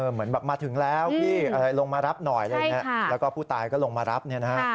เหมือนแบบมาถึงแล้วพี่ลงมารับหน่อยอะไรอย่างนี้แล้วก็ผู้ตายก็ลงมารับเนี่ยนะฮะ